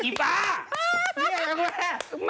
อีบ๊านี่แหละคุณแม่